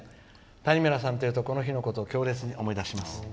谷村さんというとこの日のことを強烈に思い出します。